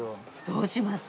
どうします？